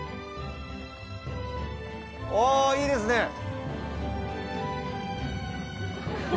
おいいですね。